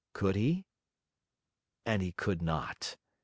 Could he? And he could not.